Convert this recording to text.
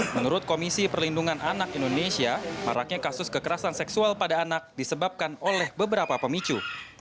menurut komisi perlindungan anak indonesia maraknya kasus kekerasan seksual pada anak disebabkan oleh beberapa pemicu